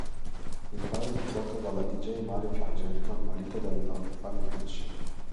Il brano è prodotto dal deejay Mario Fargetta, marito della Panicucci.